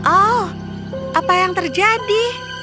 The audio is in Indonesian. oh apa yang terjadi